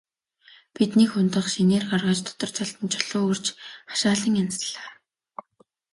Бид нэг худаг шинээр гаргаж, дотор талд нь чулуу өрж хашаалан янзаллаа.